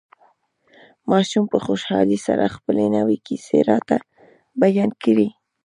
ماشوم په خوشحالۍ سره خپلې نوې کيسې راته بيان کړې.